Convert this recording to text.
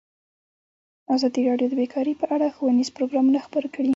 ازادي راډیو د بیکاري په اړه ښوونیز پروګرامونه خپاره کړي.